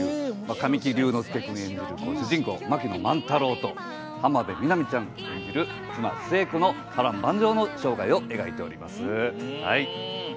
神木隆之介君演じる主人公・槙野万太郎と浜辺美波ちゃん演じる妻・寿恵子の波乱万丈の生涯を描いております。